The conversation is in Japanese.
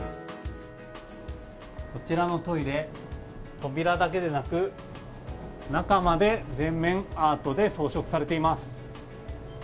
こちらのトイレ扉だけでなく中まで全面アートで装飾されています。